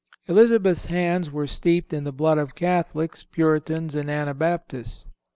_ Elizabeth's hands were steeped in the blood of Catholics, Puritans and Anabaptists.